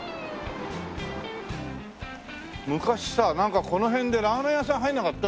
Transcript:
昔さなんかこの辺でラーメン屋さん入らなかった？